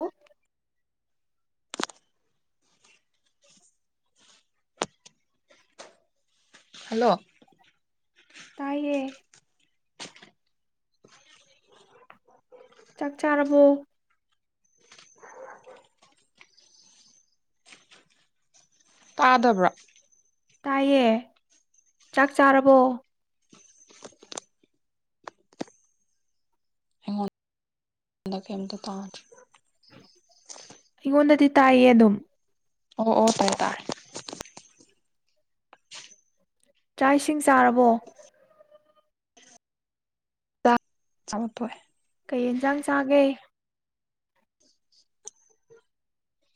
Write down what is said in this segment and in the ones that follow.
ꯍꯜꯂ ꯍꯜꯂꯣ ꯇꯌꯦ ꯆꯥꯛ ꯆꯥꯔꯕꯣ ꯇꯥꯗꯕ꯭ꯔ ꯇꯥꯏꯌꯦ ꯆꯥꯛ ꯆꯥꯔꯕꯣ ꯀ ꯀꯝꯗ ꯇꯥꯔ ꯑꯩꯉꯣꯟꯗꯗꯤ ꯇꯥꯏꯌꯦ ꯑꯗꯨꯝ ꯑꯣ ꯑꯣ ꯇꯥꯏ ꯇꯥꯏ ꯆꯥꯛ ꯏꯁꯤꯡ ꯆꯥꯔꯕꯣ ꯆꯂꯣ ꯇ ꯍ ꯀꯩ ꯌꯦꯟꯁꯥꯡ ꯆꯥꯒꯦ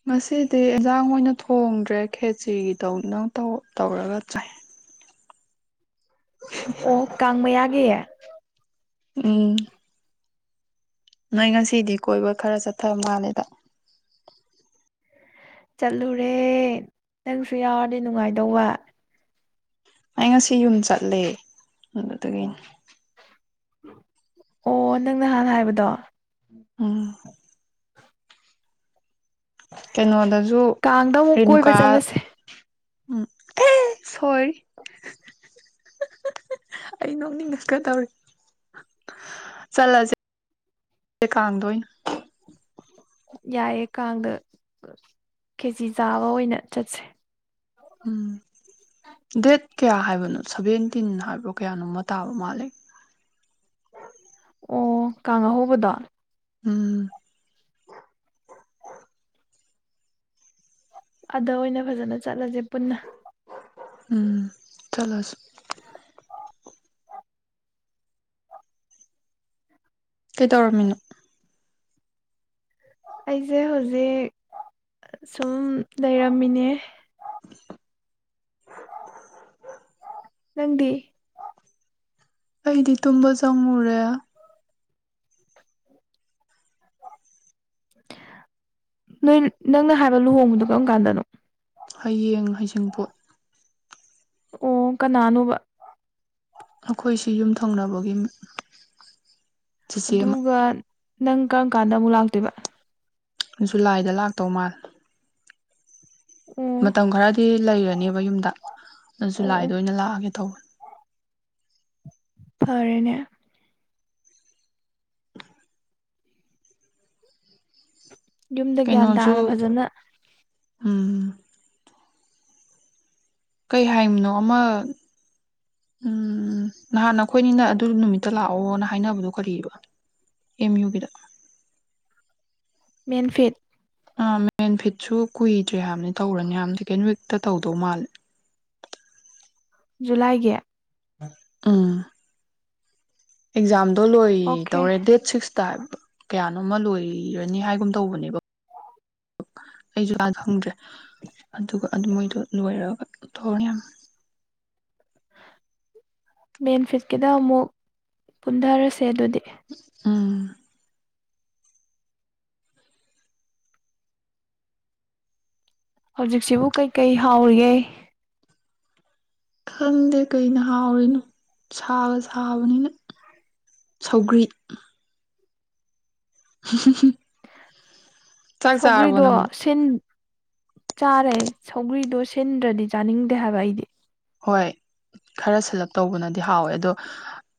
ꯉꯁꯤꯗꯤ ꯑꯦꯟꯖꯥꯡ ꯑꯣꯏꯅ ꯊꯣꯡꯗ꯭ꯔꯦ ꯈꯦꯆꯒꯤꯗꯧ ꯅꯪ ꯇꯧꯔꯒ ꯆꯥꯏ ꯑꯣ ꯀꯥꯡꯪ ꯃꯌꯥꯒꯤ ꯑꯦ ꯎꯝ ꯅꯣꯏ ꯉꯁꯤꯗꯤ ꯀꯣꯏꯕ ꯈꯔ ꯆꯠꯊꯕ ꯃꯥꯜꯂꯦꯗ ꯆꯠꯂꯨꯔꯦ ꯅꯪꯁꯨ ꯌꯥꯎꯔꯗꯤ ꯅꯨꯡꯉꯥꯏꯗꯧꯕ ꯑꯩ ꯉꯁꯤ ꯌꯨꯝ ꯆꯠꯂꯦ ꯑꯗꯨꯗꯒꯤꯅꯦ ꯑꯣ ꯅꯪ ꯅꯍꯥꯟ ꯍꯥꯏꯕꯗꯣ ꯑꯝ ꯀꯩꯅꯣ ꯋꯥꯗ ꯀꯥꯡꯗ ꯑꯃꯨꯛ ꯀꯣꯏꯕ ꯆꯠꯂꯁꯦ ꯎꯝ ꯑꯦ ꯁꯣꯔꯤ ꯑꯩ ꯅꯣꯛꯅꯤꯡꯉꯀꯗꯧꯔꯤ ꯆꯠꯂꯁꯦ ꯀꯥꯡꯗꯣꯏꯅ ꯌꯥꯏꯑꯦ ꯀꯥꯡꯗ ꯀꯦꯖꯤ ꯆꯥꯕ ꯑꯣꯏꯅ ꯆꯠꯁꯦ ꯎꯝ ꯗꯦꯠ ꯀꯌꯥ ꯍꯥꯏꯕꯅꯣ ꯁꯚꯦꯟꯇꯤꯟ ꯍꯥꯏꯕꯣ ꯀꯌꯥꯅꯣꯃ ꯇꯥꯕ ꯃꯥꯜꯂꯦ ꯑꯣ ꯀꯥꯉ ꯍꯕꯗꯥ ꯎꯝ ꯑꯗ ꯑꯣꯏꯅ ꯐꯖꯅ ꯆꯠꯂꯁꯦ ꯄꯨꯟꯅ ꯎꯝ ꯆꯂꯣꯁꯤ ꯀꯩꯇꯧꯔꯝꯃꯤꯅꯣ ꯑꯩꯁꯦ ꯍꯧꯖꯤꯛ ꯁꯨꯝ ꯂꯩꯔꯝꯃꯤꯅꯦ ꯅꯪꯗꯤ ꯑꯩ ꯏꯗꯤ ꯇꯨꯕ ꯆꯣꯔꯦ ꯅꯣꯏ ꯅꯪꯅ ꯍꯥꯏꯕ ꯂꯨꯍꯣꯡꯕꯗꯣ ꯀꯔꯝ ꯀꯥꯟꯗꯅꯣ ꯍꯌꯦꯡ ꯍꯩꯁꯤꯡꯄꯣꯠ ꯑꯣ ꯀ ꯅꯅꯨ ꯑꯩꯈꯣꯏꯁꯤ ꯌꯨꯝ ꯊꯪꯅꯕꯒꯤ ꯆꯤꯆꯦ ꯑꯃ ꯑꯗꯨꯒ ꯅꯪ ꯀꯔꯝ ꯀꯥꯟꯗ ꯑꯃꯨꯛ ꯂꯥꯛꯇꯣꯏꯕ ꯖꯨꯂꯥꯏꯗ ꯂꯥꯛꯇꯧ ꯃꯥꯜ ꯑꯣ ꯃꯇꯝ ꯈꯔꯗꯤ ꯂꯩꯔꯅꯦꯕ ꯌꯨꯝꯗ ꯑꯗꯨꯁꯨ ꯑꯣ ꯑꯣ ꯂꯥꯛꯏꯗ ꯑꯣꯏꯅ ꯂꯥꯛꯑꯒꯦ ꯇꯧꯕꯅꯦ ꯐꯔꯦꯅꯦ ꯌꯨꯝꯗ ꯒ꯭ꯌꯥꯟ ꯀꯩꯅꯣꯁꯨ ꯇꯥꯅ ꯐꯖꯅ ꯎꯝ ꯀꯩ ꯍꯥꯏꯕꯅꯣ ꯑꯃ ꯅꯍꯥꯟ ꯑꯩꯈꯣꯏꯅꯤꯅ ꯑꯗꯨ ꯅꯨꯃꯤꯠꯇ ꯂꯥꯛꯑꯣꯅ ꯍꯥꯏꯅꯕꯗꯣ ꯀꯔꯤꯕ ꯑꯦꯝ ꯌꯨꯒꯤꯗ ꯃꯦꯟꯐꯦꯠ ꯃꯦꯟ ꯐꯤꯠꯁꯨ ꯀꯨꯏꯗ꯭ꯔꯦ ꯍꯥꯏꯕꯅꯤ ꯇꯧꯔꯅꯤ ꯌꯥꯝꯅ ꯁꯦꯀꯦꯟ ꯋꯤꯛꯇ ꯇꯧꯗꯧ ꯃꯥꯜꯂꯦ ꯖꯨꯂꯥꯏꯒꯤ ꯑꯥ ꯑꯦꯛꯖꯝ ꯑꯗꯣ ꯂꯣꯏ ꯑꯣꯀꯦ ꯇꯧꯔꯦ ꯗꯦꯠ ꯁꯤꯛꯁꯇ ꯀꯌꯥꯅꯣ ꯑꯃ ꯂꯣꯏꯔꯅꯤ ꯍꯥꯏꯒꯨꯝ ꯇꯧꯕꯅꯦꯕ ꯑꯩꯁꯨ ꯀ ꯈꯪꯗ꯭ꯔꯦ ꯑꯗꯨꯒ ꯑꯗꯨ ꯃꯣꯏꯗꯣ ꯂꯣꯏꯔꯛꯑꯒ ꯇꯧꯅꯤ ꯌꯥꯝ ꯃꯦꯟꯐꯤꯠꯀꯤꯗ ꯑꯃꯨꯛ ꯄꯨꯟꯊꯔꯁꯦ ꯑꯗꯨꯗꯤ ꯑꯥ ꯍꯧꯖꯤꯛꯁꯤꯕꯨ ꯀꯩꯀꯩ ꯍꯥꯎꯔꯤꯒꯦ ꯈꯪꯗꯦ ꯀꯩꯅ ꯍꯥꯎꯔꯤꯅꯣ ꯁꯥꯕ ꯁꯥꯕꯅꯤꯅ ꯁꯧꯒ꯭ꯔꯤ ꯍ ꯍ ꯍ ꯁꯧꯒ꯭ꯔꯤꯗꯣ ꯁꯤꯟ ꯆꯥꯔꯦ ꯁꯧꯒ꯭ꯔꯤꯗꯣ ꯁꯤꯟꯗ꯭ꯔꯗꯤ ꯆꯥꯅꯤꯡꯗꯦ ꯍꯥꯏꯕ ꯑꯩꯗꯤ ꯍꯣꯏ ꯈꯔ ꯁꯦꯂꯞ ꯇꯧꯕꯅꯗꯤ ꯍꯥꯎꯋꯦ ꯑꯗꯣ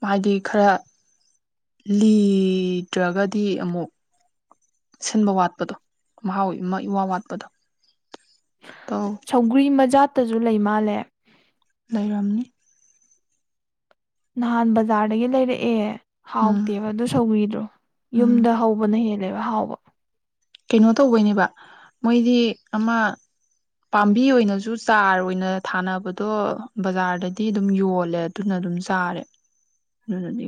ꯍꯥꯏꯗꯤ ꯈꯔ ꯂꯤꯗ꯭ꯔꯒꯗꯤ ꯑꯃꯨꯛ ꯁꯤꯟꯕ ꯋꯥꯠꯄꯗꯣ ꯍꯥꯎꯋꯤ ꯏ ꯋꯥ ꯋꯥꯠꯄꯗꯣ ꯇꯧ ꯁꯧꯒꯔꯤ ꯃꯖꯥ ꯇꯁꯨ ꯂꯩ ꯃꯥꯜꯂꯦ ꯂꯩꯔꯝꯅꯤ ꯅꯍꯥꯟ ꯕꯖꯥꯔꯗꯒꯤ ꯂꯩꯔꯛꯑꯦ ꯎꯝ ꯍꯥꯎꯇꯦꯕ ꯑꯗꯨ ꯁꯧꯕꯤꯗ꯭ꯔꯣ ꯎꯝ ꯌꯨꯝꯗ ꯍꯧꯕꯅ ꯍꯦꯟꯅ ꯅꯦꯕ ꯍꯥꯎꯕ ꯀꯩꯅꯣ ꯇꯧꯕꯩꯅꯦꯕ ꯃꯣꯏꯗꯤ ꯑꯃ ꯄꯥꯝꯕꯤ ꯑꯣꯏꯅꯁꯨ ꯆꯥꯔ ꯑꯣꯏꯅ ꯊꯥꯅꯕꯗꯣ ꯕꯖꯥꯔꯗꯗꯤ ꯑꯗꯨꯝ ꯌꯣꯜꯂꯦ ꯑꯗꯨꯅ ꯑꯗꯨꯝ ꯆꯥꯔꯦ ꯑꯗꯨꯅꯗꯤ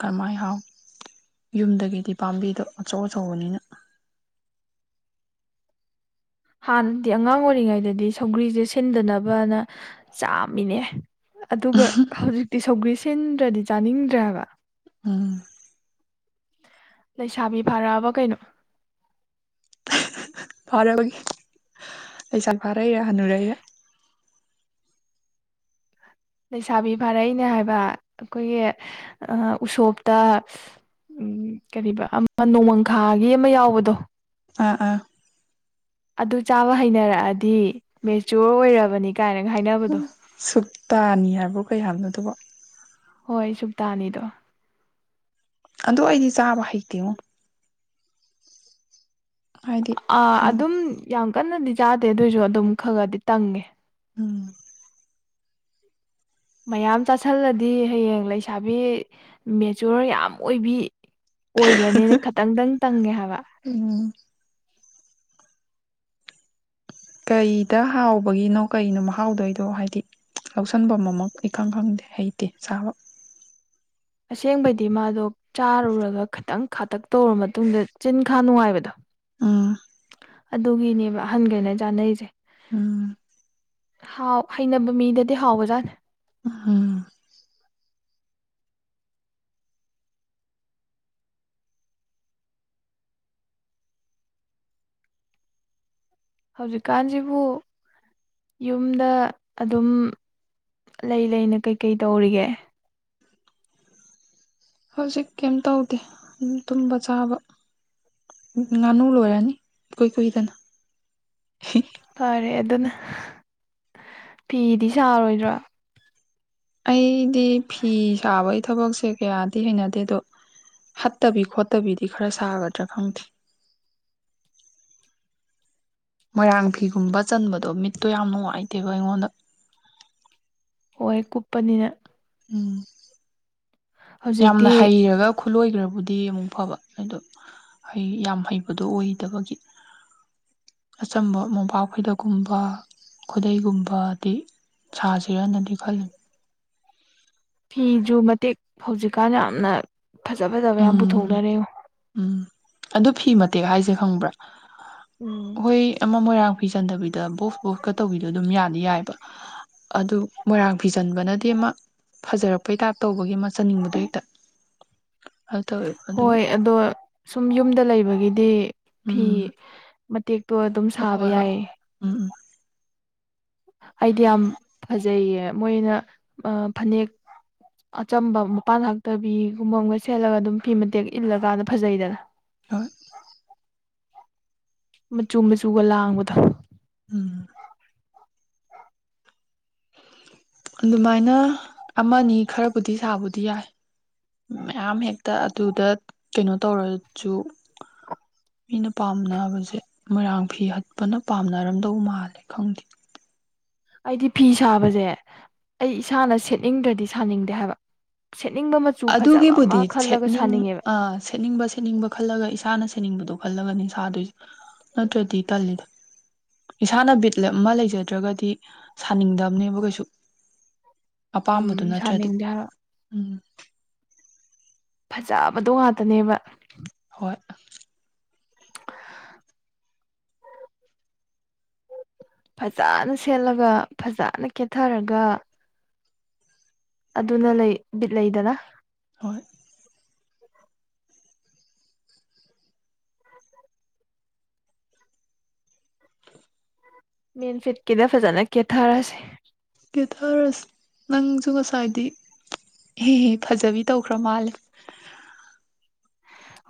ꯀꯔꯍꯥꯏ ꯍꯥꯎ ꯌꯨꯝꯗꯒꯤꯗꯤ ꯄꯥꯝꯕꯤꯗꯣ ꯑꯆꯧ ꯑꯆꯧꯕꯅꯤꯅ ꯍꯥꯟꯅꯗꯤ ꯑꯉꯥꯡ ꯑꯣꯏꯔꯤꯉꯩꯗꯗꯤ ꯁꯧꯒ꯭ꯔꯤꯁꯦ ꯁꯤꯟꯗꯅꯕꯅ ꯆꯥꯃꯤꯅꯦ ꯑꯗꯨꯒ ꯍꯧꯖꯤꯛ ꯇꯤꯁꯧꯒ꯭ꯔꯤ ꯁꯤꯟꯗ꯭ꯔꯗꯤ ꯆꯥꯅꯤꯡꯗ꯭ꯔꯕ ꯑꯥ ꯂꯩꯁꯥꯕꯤ ꯐꯔꯛꯑꯕ ꯀꯩꯅꯣ ꯐꯔꯦꯕꯒꯤ ꯑꯩꯁꯠ ꯐꯥꯔꯦꯔꯦ ꯍꯅꯔꯦ ꯂꯩꯁꯥꯕꯤ ꯐꯥꯔꯛꯏꯅꯦ ꯍꯥꯏꯕ ꯑꯩꯈꯣꯏꯒꯤ ꯎꯁꯣꯞꯇ ꯎ ꯀꯔꯤꯕ ꯑꯃ ꯅꯣꯡꯃꯪꯈꯥꯒꯤ ꯑꯃ ꯌꯥꯎꯕꯗꯣ ꯑꯥ ꯑꯥ ꯑꯗꯨ ꯆꯥꯕ ꯍꯩꯅꯔꯛꯑꯗꯤ ꯃꯦꯆꯣꯔ ꯑꯣꯏꯔꯕꯅꯤ ꯀꯥꯏꯅꯒ ꯎ ꯍꯥꯏꯅꯕꯗꯣ ꯁꯨꯛꯇꯅꯤ ꯍꯥꯏꯕ꯭ꯔꯣ ꯀꯩ ꯍꯥꯏꯅꯣ ꯑꯗꯨꯕ ꯍꯣꯏ ꯁꯨꯨꯞꯇꯥꯅꯤꯗꯣ ꯑꯗꯨ ꯑꯩꯗꯤ ꯆꯥꯕ ꯍꯩꯇꯤꯉꯣ ꯍꯥꯏꯗꯤ ꯑ ꯈꯪꯉꯦ ꯑꯗꯨꯝ ꯌꯥꯝ ꯀꯟꯅꯗꯤ ꯆꯥꯗꯦ ꯑꯗꯨꯑꯣꯏꯁꯨ ꯑꯗꯨꯝ ꯈꯔ ꯈꯗꯤ ꯇꯪꯉꯦ ꯎꯝ ꯃꯌꯥꯝ ꯆꯥꯥꯁꯜꯂꯗꯤ ꯍꯌꯦꯡ ꯂꯩꯁꯥꯕꯤ ꯃꯦꯆꯣꯔ ꯌꯥꯝ ꯑꯣꯏꯕꯤ ꯑꯣꯏꯈ꯭ꯔꯅꯤꯅ ꯈꯇꯪꯗꯪ ꯇꯪꯉꯦ ꯍꯥꯏꯕ ꯎꯝ ꯀꯩꯗ ꯍꯥꯎꯕꯒꯤꯅꯣ ꯀꯩꯅꯣ ꯃꯍꯥꯎꯗꯣꯏꯗꯣ ꯍꯥꯏꯗꯤ ꯂꯧꯁꯟꯐꯝ ꯑꯃꯃꯛ ꯏꯈꯪ ꯈꯪꯗꯦ ꯍꯩꯇꯦ ꯆꯥꯕ ꯑꯁꯦꯡꯕꯗꯤ ꯃꯥꯗꯣ ꯆꯥꯔꯨꯔꯒ ꯈꯤꯇꯪ ꯈꯥꯇꯛ ꯇꯧꯔ ꯃꯇꯨꯡꯗ ꯆꯤꯟ ꯈꯥ ꯅꯨꯡꯉꯥꯏꯕꯗꯣ ꯑꯥ ꯑꯗꯨꯒꯤꯅꯦꯕ ꯑꯍꯟꯈꯩꯅ ꯆꯥꯅꯩꯁꯦ ꯎꯝ ꯍꯥꯎ ꯍꯩꯅꯕ ꯃꯤꯗꯗꯤ ꯍꯥꯎꯕꯖꯥꯠ ꯎꯝ ꯍꯧꯖꯤꯛꯀꯥꯟꯁꯤꯕꯨ ꯌꯨꯝꯗ ꯑꯗꯨꯝ ꯂꯩ ꯂꯩꯅ ꯀꯩ ꯀꯩ ꯇꯧꯔꯤꯒꯦ ꯍꯧꯖꯤꯛ ꯀꯩꯝ ꯇꯧꯗꯦ ꯇꯨꯝꯕ ꯆꯥꯕ ꯉꯥꯅꯨ ꯂꯣꯏꯔꯅꯤ ꯏꯀꯨꯏ ꯀꯨꯏꯗꯅ ꯐꯔꯦ ꯑꯗꯨꯅ ꯐꯤꯗꯤ ꯁꯥꯔꯣꯏꯗ꯭ꯔꯥ ꯑꯩꯗꯤ ꯐꯤ ꯁꯥꯕꯒꯤ ꯊꯕꯛꯁꯦ ꯀꯌꯥꯗꯤ ꯍꯩꯅꯗꯦ ꯑꯗꯣ ꯍꯠꯇꯕꯤ ꯈꯣꯠꯇꯕꯤꯗꯤ ꯈꯔ ꯁꯥꯒꯗ꯭ꯔꯥ ꯈꯪꯗꯦ ꯃꯣꯏꯔꯥꯡ ꯐꯤꯒꯨꯝꯕ ꯆꯟꯕꯗꯣ ꯃꯤꯠꯇꯣ ꯌꯥꯝ ꯅꯨꯡꯉꯥꯏꯇꯦꯕ ꯑꯩꯉꯣꯟꯗ ꯑꯣꯏ ꯀꯨꯞꯄꯅꯤꯅ ꯎꯝ ꯌꯥꯝꯅ ꯍꯧꯖꯤꯛꯇꯤ ꯍꯩꯔꯒ ꯈꯨꯠꯂꯣꯏꯈ꯭ꯔꯕꯨꯗꯤ ꯑꯃꯨꯛ ꯐꯕ ꯑꯗꯣ ꯍꯩ ꯌꯥꯝ ꯍꯩꯕꯗꯣ ꯑꯣꯏꯗꯕꯒꯤ ꯑꯆꯝꯕ ꯃꯣꯄꯥꯛ ꯈꯣꯏꯗꯛꯀꯨꯝꯕ ꯈꯨꯗꯩꯒꯨꯝꯕꯗꯤ ꯁꯥꯁꯤꯔꯅꯗꯤ ꯈꯜꯂꯤ ꯐꯤꯁꯨ ꯃꯇꯦꯛ ꯍꯧꯖꯤꯛꯀꯥꯟ ꯌꯥꯝꯅ ꯐꯖ ꯐꯖꯕ ꯌꯥꯝ ꯎꯝ ꯄꯨꯊꯣꯛꯅꯔꯦ ꯉꯣ ꯇꯦꯛ ꯍꯥꯏꯁꯦ ꯈꯪꯕ꯭ꯔ ꯍꯣꯏ ꯃꯣꯏ ꯑꯃ ꯃꯣꯏꯔꯥꯡ ꯐꯤꯖꯟꯗꯕꯤꯗ ꯕꯣꯛꯁ ꯕꯣꯛꯁꯀ ꯇꯧꯕꯤꯗꯣ ꯑꯗꯨꯝ ꯌꯥꯗꯤ ꯌꯥꯏꯕ ꯑꯗꯨ ꯃꯣꯏꯔꯥꯡ ꯐꯤꯖꯟꯕꯅꯗꯤ ꯑꯃ ꯐꯖꯔꯛꯄꯩ ꯇꯥꯏꯞ ꯇꯧꯕꯒꯤ ꯑꯃ ꯆꯟꯅꯤꯡꯕꯗꯣ ꯍꯦꯛꯇ ꯑꯗꯨ ꯇꯧꯋꯦꯕ ꯑꯗꯨꯒꯤ ꯍꯣꯏ ꯑꯗꯣ ꯁꯨꯝ ꯌꯨꯝꯗ ꯂꯩꯕꯒꯤꯗꯤ ꯗꯤ ꯐꯤ ꯎꯝ ꯃꯇꯦꯛ ꯇꯣ ꯑꯗꯨꯝ ꯍꯣꯏ ꯁꯥꯕ ꯍꯣꯏ ꯍꯣꯏ ꯌꯥꯏꯌꯦ ꯎꯝ ꯎꯝ ꯑꯩꯗꯤ ꯌꯥꯝ ꯐꯖꯩꯌꯦ ꯃꯣꯏꯅ ꯐꯅꯦꯛ ꯑꯆꯝꯕ ꯃꯄꯥꯟ ꯍꯛꯇꯕꯤꯒꯨꯝꯕ ꯑꯃꯒ ꯁꯦꯠꯂꯒ ꯑꯗꯨꯝ ꯐꯤ ꯃꯇꯦꯛ ꯏꯜꯂꯀꯥꯟꯗ ꯐꯖꯩꯗꯅ ꯍꯣꯏ ꯃꯆꯨ ꯃꯆꯨꯒ ꯂꯥꯡꯕꯗꯣ ꯎꯝ ꯑꯗꯨꯃꯥꯏꯅ ꯑꯃꯅꯤ ꯈꯔꯕꯨꯗꯤ ꯁꯥꯕꯨꯗꯤ ꯌꯥꯏ ꯃꯌꯥꯝ ꯍꯦꯛꯇ ꯑꯗꯨꯗ ꯀꯩꯅꯣ ꯇꯧꯔꯁꯨ ꯃꯤꯅ ꯄꯥꯝꯅꯕꯁꯦ ꯃꯣꯏꯔꯥꯡ ꯐꯤ ꯍꯛꯄꯅ ꯄꯥꯝꯅꯔꯝꯗꯧ ꯃꯥꯜꯂꯦ ꯈꯪꯗꯦ ꯑꯩꯗꯤ ꯐꯤ ꯁꯥꯕꯁꯦ ꯑꯩ ꯏꯁꯥꯅ ꯁꯦꯠꯅꯤꯡꯗ꯭ꯔꯗꯤ ꯁꯥꯅꯤꯡꯗꯦ ꯍꯥꯏꯕ ꯁꯦꯠꯅꯤꯡꯕ ꯃꯆꯨ ꯐꯖꯕ ꯑꯗꯨꯒꯤꯕꯨꯗꯤ ꯑꯃ ꯈꯜꯂꯒ ꯁꯦꯠꯅꯤꯡ ꯁꯥꯅꯤꯡꯉꯦꯕ ꯁꯦꯠꯅꯤꯡꯕ ꯁꯦꯠꯅꯤꯡꯕ ꯈꯜꯂꯒ ꯏꯁꯥꯅ ꯁꯦꯠꯅꯤꯡꯕꯗꯣ ꯍꯜꯂꯒꯅꯤ ꯁꯥꯗꯣꯏꯁꯦ ꯅꯠꯇ꯭ꯔꯗꯤ ꯇꯜꯂꯤꯗ ꯏꯁꯥꯅ ꯕꯤꯠ ꯂꯦꯞ ꯑꯃ ꯂꯩꯖꯗ꯭ꯔꯒꯗꯤ ꯁꯥꯅꯤꯡꯗꯕꯅꯦꯕ ꯀꯩꯁꯨ ꯑꯄꯥꯝꯕꯗꯨ ꯎꯝ ꯅꯠꯇ꯭ꯔꯗꯤ ꯁꯥꯅꯤꯡꯗꯦ ꯍꯥꯏꯕ ꯎꯝ ꯐꯖꯕꯗꯣ ꯉꯥꯛꯇꯅꯦꯕ ꯍꯣꯏ ꯐꯖꯅ ꯁꯦꯠꯂꯒ ꯐꯖꯅ ꯀꯦꯊꯔꯒ ꯑꯗꯨꯅ ꯂꯩ ꯕꯤꯠ ꯂꯩꯗꯅ ꯍꯣꯏ [unintelligible] ꯃꯦꯟ ꯐꯤꯠꯀꯤꯗ ꯐꯖꯅ ꯀꯦꯊꯔꯁꯦ ꯀꯦꯊꯔꯁꯦ ꯅꯪꯁꯨ ꯉꯁꯥꯏꯗꯤ ꯍꯦ ꯍꯦ ꯐꯖꯕꯤ ꯇꯧꯈ꯭ꯔ ꯃꯥꯜꯂꯦ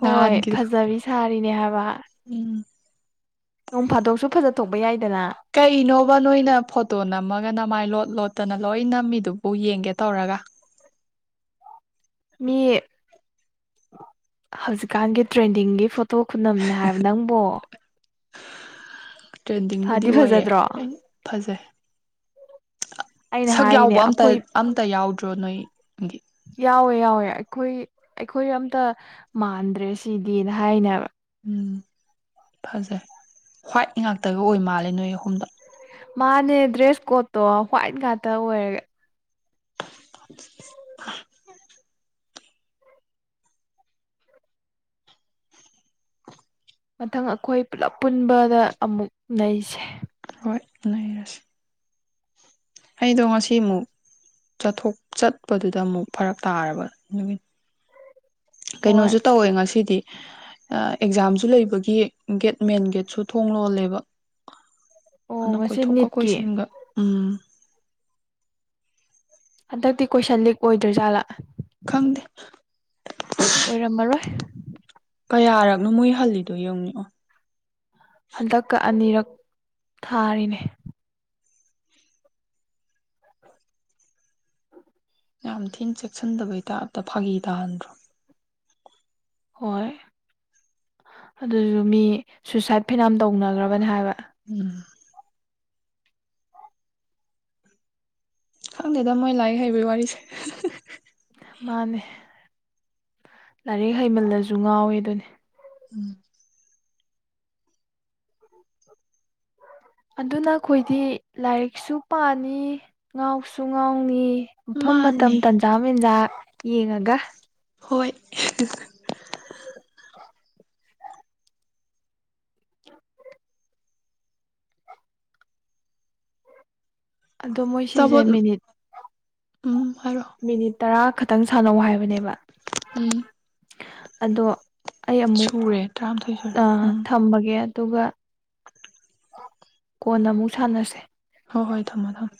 ꯍꯣꯏ ꯅꯍꯥꯟꯒꯤꯗꯣ ꯐꯖꯕꯤ ꯁꯥꯔꯦ ꯐꯔꯤꯅꯤ ꯍꯥꯏꯕ ꯎꯝ ꯅꯣꯡ ꯐꯥꯗꯣꯛꯁꯨ ꯐꯖꯊꯣꯛꯄ ꯌꯥꯏ ꯀꯩꯅꯣꯕ ꯅꯣꯏꯅ ꯐꯣꯇꯣ ꯅꯝꯃꯒ ꯃꯥꯏ ꯂꯣꯠ ꯂꯣꯠꯇꯅ ꯂꯣꯏꯅꯝꯃꯤꯗꯨꯕꯨ ꯌꯦꯡꯒꯦ ꯇꯧꯔꯒ ꯃꯤ ꯍꯧꯖꯤꯛꯀꯥꯟꯒꯤ ꯇ꯭ꯔꯦꯟꯗꯤꯡꯒꯤ ꯐꯣꯇꯣ ꯈꯨꯅꯝꯅꯦ ꯍꯥꯏꯕ ꯅꯪꯕꯣ ꯇ꯭ꯔꯦꯟꯗꯤꯡꯕꯨꯗꯤ ꯐꯗꯤ ꯑꯣꯏꯔꯦ ꯐꯖꯗ꯭ꯔꯣ ꯑꯩꯅ ꯐꯖꯩ ꯑꯩꯅ ꯁꯛ ꯍꯥꯏꯔꯤꯅꯦ ꯌꯥꯎꯕ ꯑꯝꯇ ꯑꯩꯈꯣꯏ ꯑꯝꯇ ꯌꯥꯎꯗ꯭ꯔꯣ ꯅꯣꯏꯒꯤ ꯌꯥꯎꯋꯦ ꯑꯩꯈꯣꯏ ꯑꯩꯈꯣꯏ ꯑꯝꯇ ꯃꯥꯟꯗ꯭ꯔꯦ ꯁꯤꯗꯤꯅ ꯍꯥꯏꯅꯦꯕ ꯎꯝ ꯐꯖꯩ ꯍ꯭ꯋꯥꯏꯠ ꯉꯥꯛꯇꯒ ꯑꯣꯏ ꯃꯥꯜꯂꯦ ꯅꯣꯏ ꯑꯍꯨꯝꯗ ꯃꯥꯅꯦ ꯗ꯭ꯔꯦꯁ ꯀꯣꯠꯇꯣ ꯍ꯭ꯋꯥꯏꯠ ꯉꯥꯛꯇ ꯑꯣꯏꯔꯒꯦ [inaudible] ꯃꯊꯪ ꯑꯩꯈꯣꯏ ꯄꯨꯂꯞ ꯄꯨꯟꯕꯗ ꯑꯃꯨꯛ ꯅꯁꯦ ꯍꯣꯏ ꯂꯩꯔꯁꯤ ꯑꯩꯗꯣ ꯉꯁꯤ ꯑꯃꯨꯛ ꯆꯊꯣꯛ ꯆꯠꯄꯗꯨꯗ ꯑꯃꯨꯛ ꯐꯔꯛ ꯇꯥꯔꯕ ꯅꯨꯃꯤꯠ ꯍꯣꯏ ꯀꯩꯅꯣꯁꯨ ꯇꯧꯋꯦ ꯉꯁꯤꯗꯤ ꯑꯦꯛꯖꯥꯝꯁꯨ ꯂꯩꯕꯒꯤ ꯒꯦꯠ ꯃꯦꯟ ꯒꯦꯠꯁꯨ ꯊꯣꯡ ꯂꯣꯜꯂꯦꯕ ꯑꯣ ꯑꯗꯨꯅ ꯉꯁꯤ ꯀꯣꯏꯊꯣꯛꯀ ꯅꯤꯠꯀꯤ ꯀꯣꯏꯁꯤꯟꯒ ꯎꯝ ꯍꯟꯗꯛꯇꯤ ꯀꯣꯏꯁꯟ ꯂꯤꯛ ꯑꯣꯏꯗ꯭ꯔꯣꯏꯖꯥꯠꯂꯥ ꯈꯪꯗꯦ ꯑꯣꯏꯔꯝꯃꯔꯣꯏ ꯀꯌꯥꯔꯛꯅꯣ ꯃꯣꯏ ꯍꯜꯂꯤꯗꯨꯣ ꯌꯦꯡꯅꯤꯡꯛꯑꯣ ꯍꯟꯗꯛꯀ ꯑꯅꯤꯔꯛ ꯊꯥꯔꯅꯦ ꯌꯥꯝꯌꯥꯝ ꯊꯤꯅ ꯆꯦꯛꯁꯤꯟꯗꯕꯩꯇꯥ ꯑꯇ ꯐꯥꯒꯤ ꯇꯥꯍꯟꯗ꯭ꯔꯣ ꯍꯣꯏ ꯑꯗꯨꯁꯨ ꯃꯤ ꯁꯨꯏꯁꯥꯏꯠ ꯐꯤꯅꯥꯝ ꯇꯧꯅꯈ꯭ꯔꯕꯅꯤ ꯍꯥꯏꯕ ꯎꯝ ꯍꯪ ꯗꯦꯗ ꯃꯣꯏ ꯂꯥꯏ ꯍꯕꯤ ꯋꯥꯔꯤꯁ ꯃꯥꯅꯦ ꯂꯥꯏꯔꯤꯛ ꯍꯩꯃꯜꯂꯁꯨ ꯉꯥꯎꯋꯦ ꯑꯗꯨꯅꯦ ꯎꯝ ꯑꯗꯨꯅ ꯑꯩꯈꯣꯏꯗꯤ ꯂꯥꯏꯔꯤꯛꯁꯨ ꯄꯥꯅꯤ ꯉꯥꯎꯁꯨ ꯉꯥꯎꯅꯤ ꯃꯐꯝ ꯃꯇꯝ ꯃꯥꯅꯦ ꯇꯟꯖꯥ ꯃꯦꯟꯖꯥ ꯌꯦꯉꯒ ꯍꯣꯏ [inaudible] ꯑꯗꯣ ꯃꯣꯏ ꯁꯤꯁꯦ ꯑꯆꯥꯄꯣꯠ ꯃꯤꯅꯤꯠ ꯎꯝ ꯍꯥꯏꯔꯣ ꯃꯤꯅꯤꯠ ꯇꯔꯥ ꯈ ꯈꯤꯇꯪ ꯁꯥꯟꯅꯧ ꯍꯥꯏꯕꯅꯦꯕ ꯎꯝ ꯑꯗꯣ ꯑꯩ ꯑꯃꯨꯛ ꯁꯨꯔꯦ ꯇꯔꯥꯃꯥꯊꯣꯏ ꯁꯨꯔꯦ ꯑ ꯎꯝ ꯊꯝꯃꯒꯦ ꯑꯗꯨꯒ ꯀꯣꯟꯅ ꯑꯃꯨꯛ ꯁꯥꯟꯅꯁꯦ ꯍꯣꯏ ꯍꯣꯏ ꯊꯝꯃꯣ ꯊꯝꯃꯣ